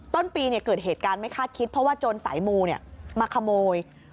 ต้นปีเกิดเหตุการณ์ไม่คาดคิดเพราะว่าโจรสายมูมาขโมย